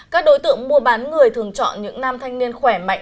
các đối tượng mua bán người thường chọn những nam thanh niên khỏe mạnh